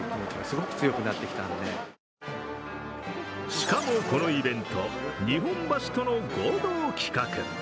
しかも、このイベント日本橋との合同企画。